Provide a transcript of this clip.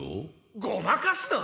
ごまかすな！